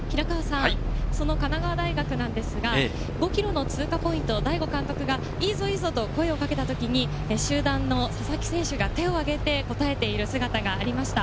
その神奈川大学なんですが、５ｋｍの通過ポイント、大後監督がいいぞ、いいぞと声をかけたときに、集団の佐々木選手が手をあげて答えている姿がありました。